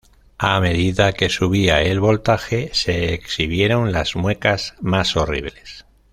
A medida que subía el voltaje, "se exhibieron las muecas más horribles.